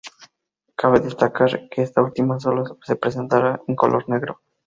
Cabe destacar que esta última sólo se presentará en color negro.